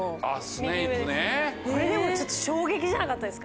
これでも衝撃じゃなかったですか？